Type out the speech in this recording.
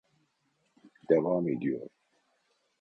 Devam ediyor